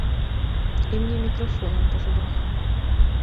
І мне мікрафонам па зубах.